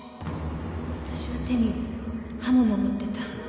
あたしは手に刃物を持ってた